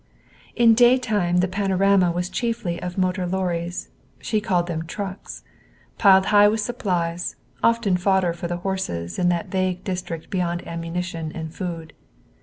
In daytime the panorama was chiefly of motor lorries she called them trucks piled high with supplies, often fodder for the horses in that vague district beyond ammunition and food.